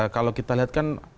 kalau kita lihat kan